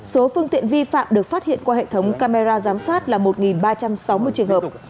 số phương tiện vi phạm được phát hiện qua hệ thống camera giám sát là một ba trăm sáu mươi trường hợp